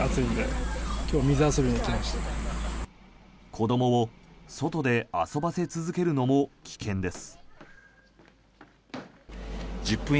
子どもを外で遊ばせ続けるのも危険です。